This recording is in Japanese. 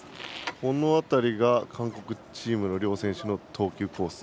この辺りが韓国チームの両選手の投球コース。